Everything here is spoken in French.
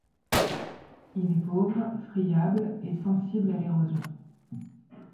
Il est pauvre, friable et sensible à l'érosion.